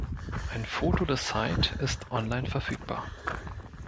Ein Foto der Site ist online verfügbar.